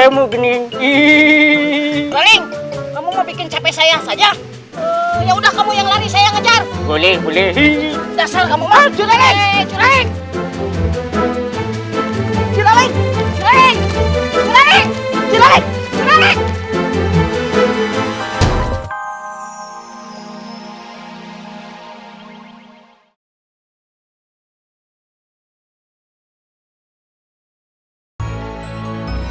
sampai jumpa di video selanjutnya